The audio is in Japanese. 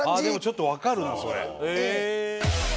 でもちょっとわかるなそれ。